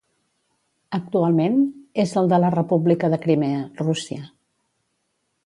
Actualment és el de la República de Crimea, Rússia.